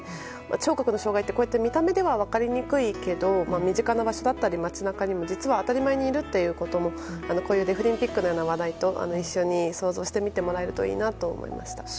聴覚の障害って見た目では分かりにくいけど身近な場所だったり街中にも実は当たり前にいるということをこういうデフリンピックのような話題と一緒に想像してみてもらえるといいなと思いました。